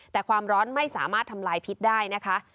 แต่ความร้อนไม่สามารถทำลายพิษได้นะคะ